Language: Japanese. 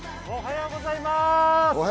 おはようございます！